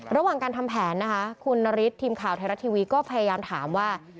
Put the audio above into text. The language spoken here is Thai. ระหว่างการทำแผนนะคะคุณนฤทธิทีมข่าวไทยรัฐทีวีก็พยายามถามว่า